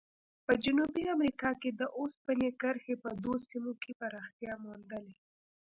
په جنوبي امریکا کې د اوسپنې کرښې په دوو سیمو کې پراختیا موندلې.